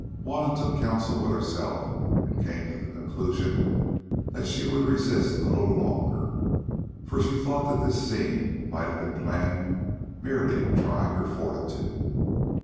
Juanna took counsel with herself, and came to the conclusion that she would resist a little longer, for she thought that this scene might have been planned merely to try her fortitude.